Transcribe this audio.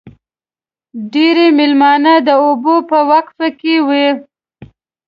ډېری مېلمانه د اوبو په وقفه کې وي.